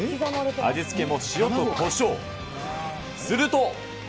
味付けも塩とこしょう、すると。